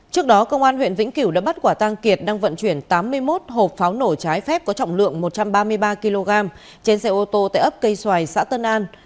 trước đó công an huyện vĩnh kiểu đã bắt quả tang kiệt đang vận chuyển tám mươi một hộp pháo nổ trái phép có trọng lượng một trăm ba mươi ba kg trên xe ô tô tại ấp cây xoài xã tân an